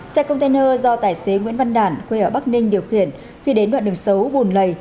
xe container do tài xế nguyễn văn đản quê ở bắc ninh điều khiển khi đến đoạn đường xấu bùn lầy